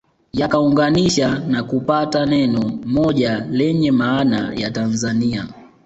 Yakaunganisha na kupata neno moja lenye maana ya Tanzania